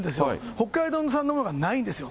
北海道産のものはないんですよ。